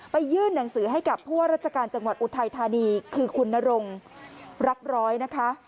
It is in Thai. ยื่นหนังสือให้กับผู้ว่าราชการจังหวัดอุทัยธานีคือคุณนรงรักร้อยนะคะ